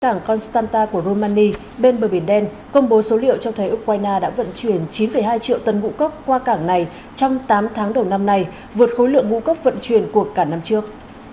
cảng constanta của romani bên bờ biển đen công bố số liệu cho thấy ukraine đã vận chuyển chín hai triệu tấn ngũ cốc qua cảng này trong tám tháng đầu năm nay vượt khối lượng ngũ cốc vận chuyển của cả năm trước